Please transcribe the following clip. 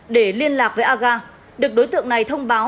để liên lạc với aga được đối tượng này thông báo